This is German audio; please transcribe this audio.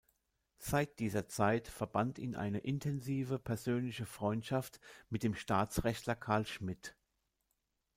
Seit dieser Zeit verband ihn eine intensive persönliche Freundschaft mit dem Staatsrechtler Carl Schmitt.